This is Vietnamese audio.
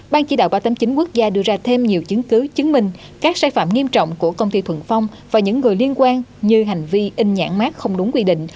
ban chỉ đạo ba trăm tám mươi chín quốc gia đưa ra thêm nhiều chứng cứ chứng minh các sai phạm nghiêm trọng của công ty thuận phong và những người liên quan như hành vi in nhãn mát không đúng quy định